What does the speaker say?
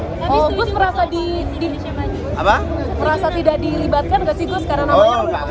oh gus merasa tidak diribatkan gus karena namanya koalisi indonesia masuk